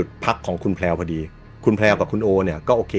พักของคุณแพลวพอดีคุณแพลวกับคุณโอเนี่ยก็โอเค